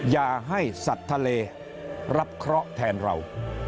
อย่าให้สัตว์ทะเลรับเคราะห์แทนเรา